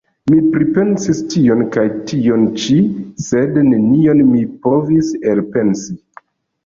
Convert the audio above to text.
Mi pripensis tion kaj tion ĉi, sed nenion mi povis elpensi.